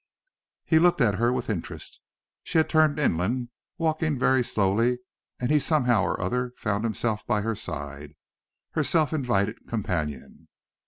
He looked at her with interest. She had turned inland, walking very slowly, and he somehow or other found himself by her side, her self invited companion.